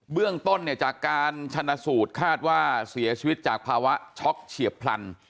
เรื่องต้นเนี่ยจากการชนะสูตรคาดว่าเสียชีวิตจากภาวะช็อกเฉียบพลัน